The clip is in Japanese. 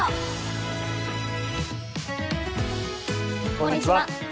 こんにちは。